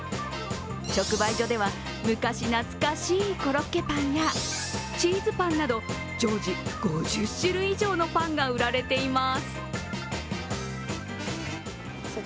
直売所では昔懐かしいコロッケパンやチーズパンなど常時５０種類以上のパンが売られています。